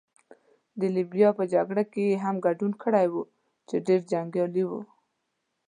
د لیبیا په جګړه کې يې هم ګډون کړی وو، چې ډېر جنګیالی وو.